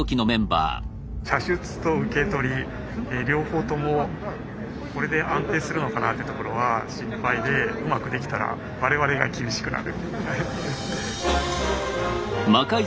射出と受け取り両方ともこれで安定するのかなってところは心配でうまくできたら我々が厳しくなる。